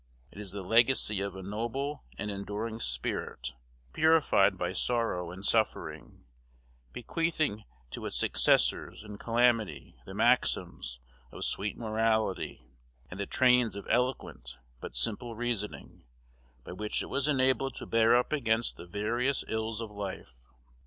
It is the legacy of a noble and enduring spirit, purified by sorrow and suffering, bequeathing to its successors in calamity the maxims of sweet morality, and the trains of eloquent but simple reasoning, by which it was enabled to bear up against the various ills of life.